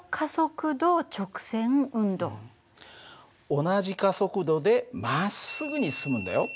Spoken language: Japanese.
同じ加速度でまっすぐに進むんだよ。